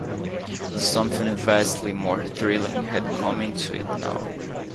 Something vastly more thrilling had come into it now.